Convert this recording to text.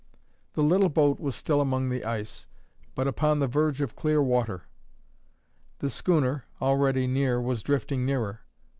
The little boat was still among the ice, but upon the verge of clear water. The schooner, already near, was drifting nearer.